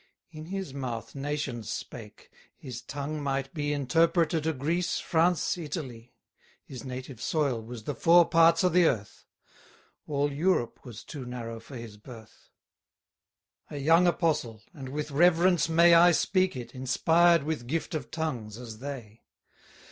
In his mouth nations spake; his tongue might be Interpreter to Greece, France, Italy. 20 His native soil was the four parts o' the Earth; All Europe was too narrow for his birth. A young apostle; and, with reverence may I speak it, inspired with gift of tongues, as they.